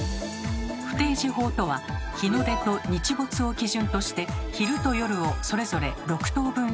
「不定時法」とは日の出と日没を基準として昼と夜をそれぞれ６等分したもの。